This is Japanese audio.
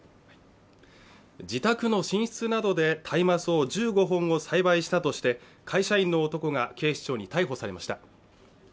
自宅の寝室などで大麻草１５本を栽培したとして会社員の男が警視庁に逮捕されました